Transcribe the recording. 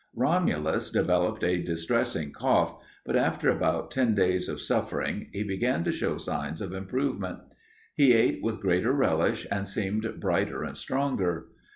Romulus developed a distressing cough, but after about ten days of suffering he began to show signs of improvement. He ate with greater relish and seemed brighter and stronger.